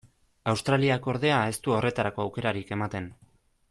Australiak, ordea, ez du horretarako aukerarik ematen.